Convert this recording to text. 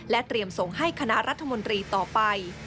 เตรียมส่งให้คณะรัฐมนตรีต่อไป